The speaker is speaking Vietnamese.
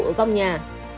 ở góc nhà